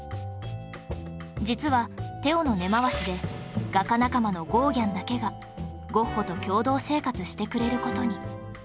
実はテオの根回しで画家仲間のゴーギャンだけがゴッホと共同生活してくれる事に